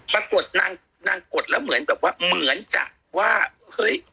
ปรากฏนางนางกดแล้วเหมือนแบบว่าเหมือนจะว่าเฮ้ย